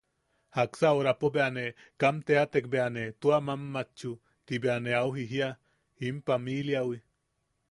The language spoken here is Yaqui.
Jaksa orapo bea ne kam tetteatek bea ne tua mammatchu, ti bea ne au jijia in pamiliawi.